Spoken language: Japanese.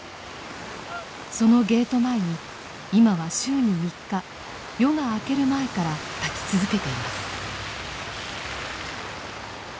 そのゲート前に今は週に３日夜が明ける前から立ち続けています。